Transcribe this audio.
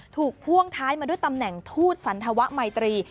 พ่วงท้ายมาด้วยตำแหน่งทูตสันธวะมัยตรี